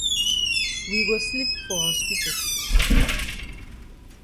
We go sleep for hospital.